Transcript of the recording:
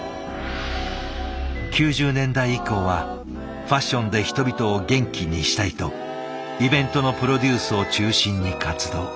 ９０年代以降はファッションで人々を元気にしたいとイベントのプロデュースを中心に活動。